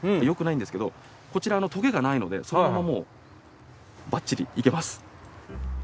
よくないんですけどこちらトゲがないのでそのままもうバッチリいけます。